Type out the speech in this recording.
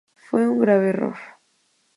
Fue un grave error".